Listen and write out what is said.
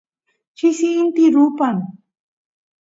chisi inti rupan